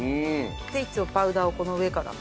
でいつもパウダーをこの上から。